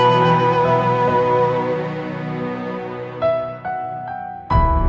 putraku kian santan